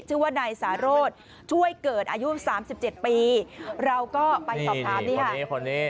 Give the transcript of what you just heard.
ชื่อว่านายสาโรธช่วยเกิดอายุ๓๗ปีเราก็ไปตอบถามนี้ค่ะ